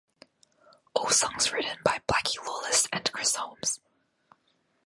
All songs written by Blackie Lawless and Chris Holmes.